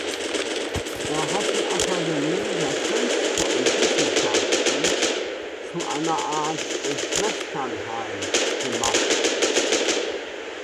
Er hat die Akademie der Künste und Wissenschaften zu einer Art Schwesternheim gemacht.